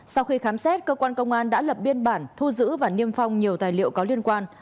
sau khi khám xét cơ quan công an đã lập biên bản thu giữ và niêm phong nhiều tài liệu có liên quan